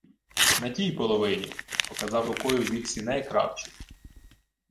— На тій половині, — показав рукою в бік сіней кравчий.